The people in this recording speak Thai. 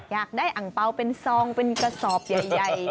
อยากได้อังเปล่าเป็นซองเป็นกระสอบใหญ่